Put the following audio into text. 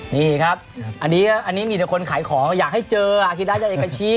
นี่ครับอันนี้อันนี้กี่ละคนขายของหากให้เจอเอกชิ